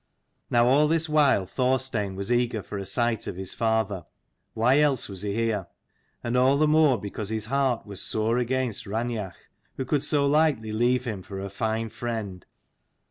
OW all this while Thorstein was eager for a sight of his father: why else was he here? And all the more because his heart was sore against Raineach who could so lightly leave him for her fine friend.